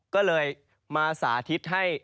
ก็เลยมาสาธิตให้